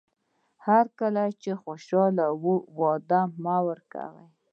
هر کله چې خوشاله وئ وعده مه کوئ.